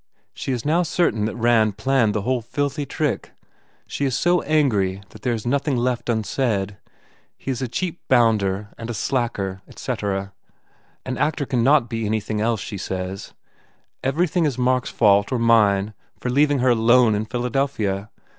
She is now certain that Rand planned the whole filthy trick. She is so angry that there is nothing left unsaid. He is a cheap bounder and a slacker etc. An actor can not be anything else, she says. Everything is Mark s fault or mine for leaving her alone in Philadelphia.